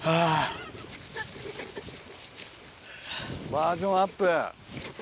バージョンアップ。